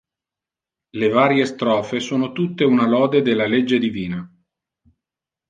Le varie strofe sono tutte una lode della legge divina.